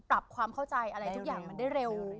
ปรับความเข้าใจอะไรทุกอย่างมันได้เร็ว